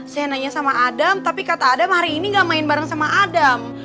saya nanya sama adam tapi kata adam hari ini gak main bareng sama adam